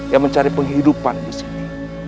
yang mencari penghidupan di sini